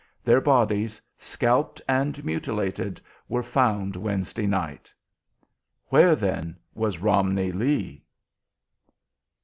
Their bodies, scalped and mutilated, were found Wednesday night." Where, then, was Romney Lee?